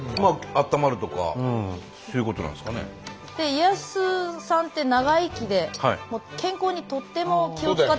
家康さんって長生きで健康にとっても気を遣ってた。